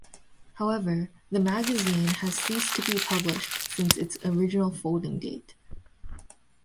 However, the magazine has ceased to be published since its original folding date.